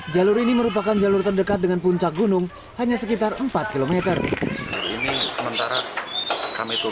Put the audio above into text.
jalur ini merupakan jalur terdekat dengan puncak gunung hanya sekitar empat km